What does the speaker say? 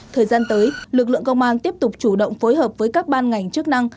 thời gian tới lực lượng công an tiếp tục chủ động phối hợp với các ban ngành chức năng